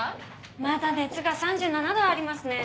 まだ熱が３７度ありますね。